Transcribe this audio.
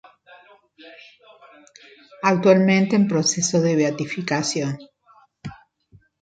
Actualmente en proceso de beatificación.